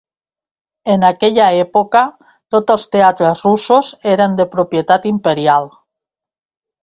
En aquella època, tots els teatres russos eren de propietat imperial.